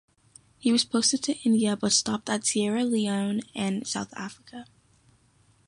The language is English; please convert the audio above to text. He was posted to India but stopped at Sierra Leone and South Africa.